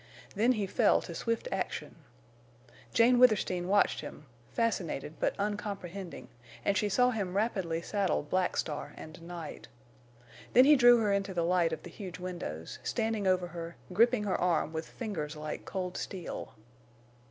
Then he fell to swift action. Jane Withersteen watched him, fascinated but uncomprehending and she saw him rapidly saddle Black Star and Night. Then he drew her into the light of the huge windows, standing over her, gripping her arm with fingers like cold steel.